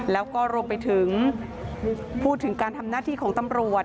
แล้วก็รวมไปถึงพูดถึงการทำหน้าที่ของตำรวจ